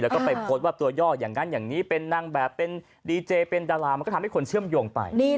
แล้วก็ไปโพสต์ว่าตัวย่ออย่างนั้นอย่างนี้เป็นนางแบบเป็นดีเจเป็นดารามันก็ทำให้คนเชื่อมโยงไป